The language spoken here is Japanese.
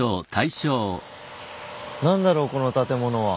何だろうこの建物は。